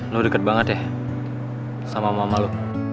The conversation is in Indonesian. lo deket banget ya sama mama lo